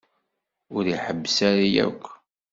Ur iḥebbes ara akk.